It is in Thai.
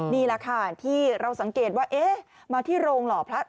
นี่แหละค่ะที่เราสังเกตว่าเอ๊ะมาที่โรงหล่อพระ